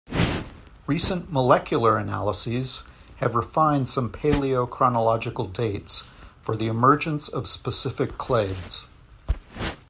Recent molecular analyses have refined some paleo-chronological dates for the emergence of specific clades.